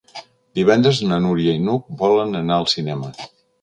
Divendres na Núria i n'Hug volen anar al cinema.